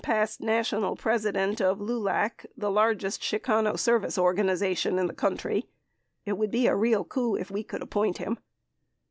402 past national president of LULAC, the largest Chicano serv ice organization in the country. It would be a real coup if we could appoint him.